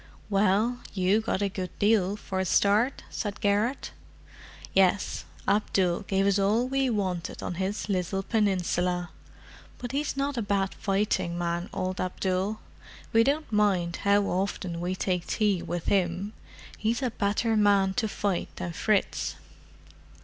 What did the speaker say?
"Well—you got a good deal for a start," said Garrett. "Yes—Abdul gave us all we wanted on his little peninsula. But he's not a bad fighting man, old Abdul; we don't mind how often we take tea with him. He's a better man to fight than Fritz."